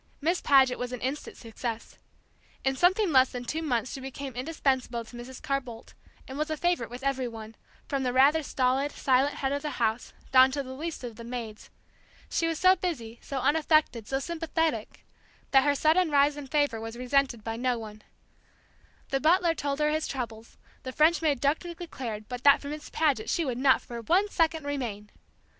Miss Paget was an instant success. In something less than two months she became indispensable to Mrs. Carr Boldt, and was a favorite with every one, from the rather stolid, silent head of the house down to the least of the maids. She was so busy, so unaffected, so sympathetic, that her sudden rise in favor was resented by no one. The butler told her his troubles, the French maid darkly declared that but for Miss Paget she would not for one second r r remain!